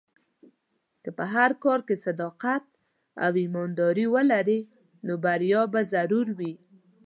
که په هر کار کې صداقت او ایمانداري ولرې، نو بریا به ضرور وي.